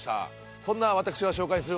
そんな私が紹介する。